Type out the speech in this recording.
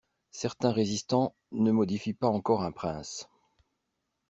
Certains résistants ne modifient pas encore un prince.